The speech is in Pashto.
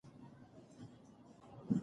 ولې ځینې پېښې په ټولنه کې تکراریږي؟